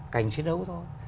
cảnh chiến đấu thôi